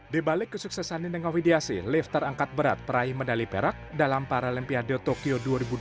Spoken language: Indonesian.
di balik kesuksesan nidengawidiasi lift terangkat berat peraih medali perak dalam paralimpiade tokyo dua ribu dua puluh